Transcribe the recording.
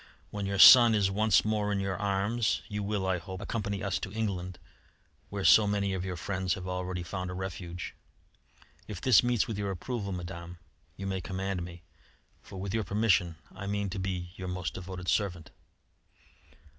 When your son is once more in your arms, you will, I hope, accompany us to England, where so many of your friends have already found a refuge. If this meets with your approval, Madame, you may command me, for with your permission I mean to be your most devoted servant."